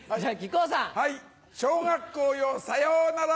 小学校よさよなら！